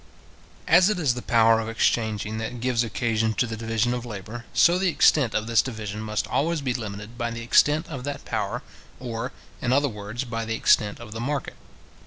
As it is the power of exchanging that gives occasion to the division of labour, so the extent of this division must always be limited by the extent of that power, or, in other words, by the extent of the market.